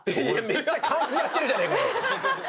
めっちゃ漢字やってるじゃねえかよ。